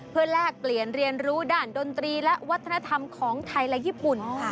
เพื่อแลกเปลี่ยนเรียนรู้ด้านดนตรีและวัฒนธรรมของไทยและญี่ปุ่นค่ะ